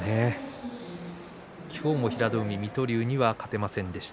今日も平戸海水戸龍には勝てませんでした。